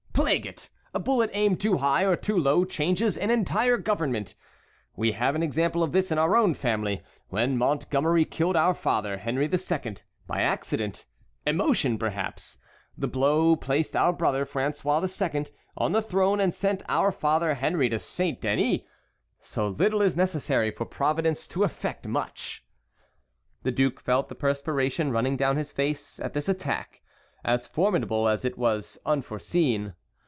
Plague it, a bullet aimed too high or too low changes an entire government. We have an example of this in our own family. When Montgommery killed our father, Henry II., by accident—emotion, perhaps—the blow placed our brother, François II., on the throne and sent our father Henry to Saint Denis. So little is necessary for Providence to effect much!" The duke felt the perspiration running down his face at this attack, as formidable as it was unforeseen.